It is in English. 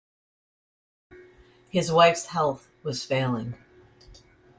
His wife's health was failing.